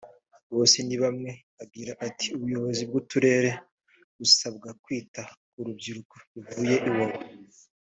Bosenibamwe agira ati” Ubuyobozi bw’uturere busabwa kwita ku rubyiruko ruvuye Iwawa